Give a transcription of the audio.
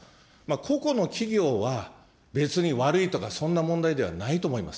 個々の企業は、別に悪いとか、そんな問題ではないと思います。